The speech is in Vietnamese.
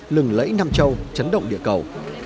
lừng lẫy nam châu chấn động địa cầu